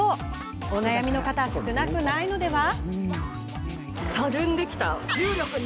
お悩みの方、少なくないのでは？